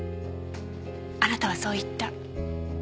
あなたはそう言った。